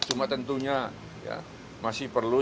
cuma tentunya masih perlu